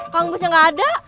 kang musnya gak ada